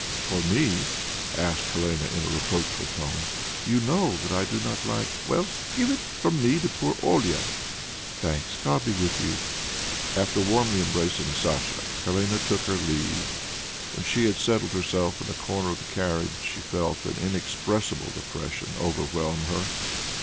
"For me?" asked Helene in a reproachful tone. "You know that I do not like...." "Well, give it from me to poor Olia." "Thanks. God be with you!" After warmly embracing Sacha, Helene took her leave. When she had settled herself in a corner of the carriage, she felt an inexpressible depression overwhelm her.